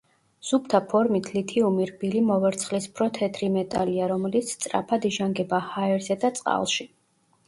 სუფთა ფორმით ლითიუმი რბილი მოვერცხლისფრო თეთრი მეტალია, რომელიც სწრაფად იჟანგება ჰაერზე და წყალში.